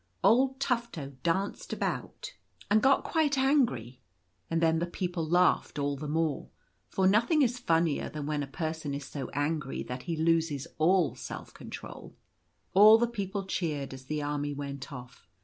Old Tufto danced about and got quite 24 Waiting for the News. angry, and then the people laughed all the more ; for nothing is funnier than when a person is so angry that he loses all self control. All the people cheered as the army went off.